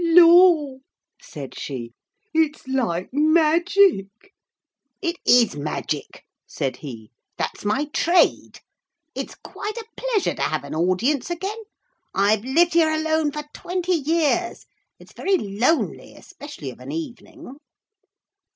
'Lor!' said she, 'it's like magic.' 'It is magic,' said he. 'That's my trade. It's quite a pleasure to have an audience again. I've lived here alone for twenty years. It's very lonely, especially of an evening.'